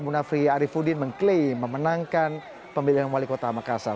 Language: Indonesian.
munafri arifudin mengklaim memenangkan pemilihan wali kota makassar